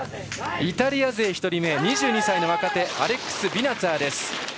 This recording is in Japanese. イタリア勢、１人目２２歳の若手アレックス・ビナツァーです。